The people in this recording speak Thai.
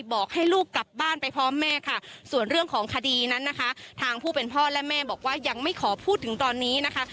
บอกให้ลูกกลับบ้านไปพร้อมแม่ค่ะส่วนเรื่องของคดีนั้นนะคะทางผู้เป็นพ่อและแม่บอกว่ายังไม่ขอพูดถึงตอนนี้นะคะ